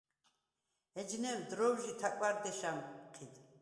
ეჯნემ დრო̈ვჟი თა̈კვა̈რ დეშ ა̈მჴიდ.